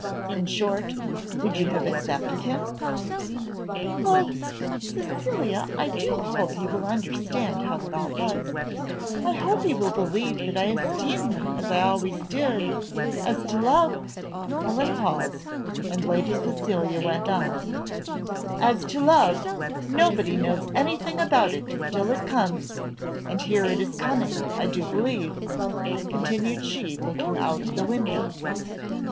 in short would you have accepted him?" "Oh! Cecilia, I do hope he will understand how it all was; I hope he will believe that I esteem him as I always did: as to love " Helen paused, and Lady Cecilia went on: "As to love, nobody knows anything about it till it comes and here it is coming, I do believe!" continued she, looking out of the window.